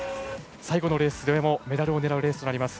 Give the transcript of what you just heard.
最後のレースでもメダルを狙うレースとなります。